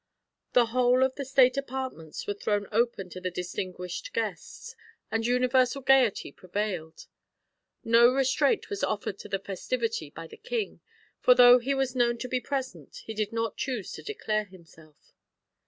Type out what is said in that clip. The whole of the state apartments were thrown open to the distinguished guests, and universal gaiety prevailed. No restraint was offered to the festivity by the king, for though he was known to be present, he did not choose to declare himself.